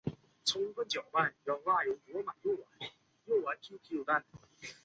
以我的能力没办法